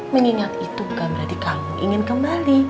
mengingat itu bukan berarti kamu ingin kembali